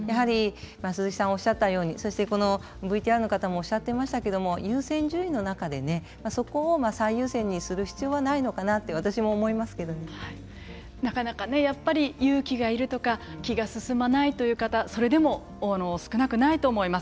鈴木さんもおっしゃったようにＶＴＲの方もおっしゃっていましたけど優先順位の中でそこを最優先にする必要はなかなか勇気がいるとか気が進まないという方それでも少なくないと思います。